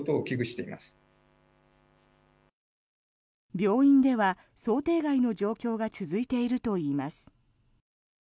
病院では想定外の状況が続いているといいます。